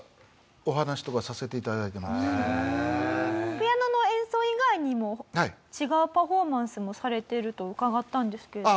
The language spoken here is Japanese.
ピアノの演奏以外にも違うパフォーマンスもされてると伺ったんですけれども。